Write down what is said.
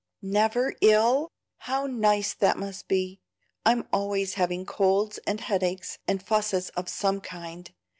"Never ill! how nice that must be! I'm always having colds and headaches, and fusses of some kind.